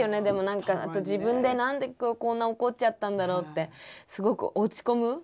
でも何か自分で何で今日こんな怒っちゃったんだろうってすごく落ち込む。